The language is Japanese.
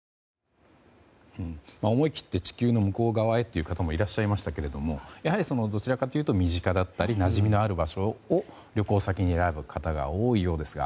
思い切って地球の向こう側へという方もいらっしゃいましたけどもやはり、どちらかというと身近だったりなじみのある場所を旅行先に選ぶ方が多いようですが。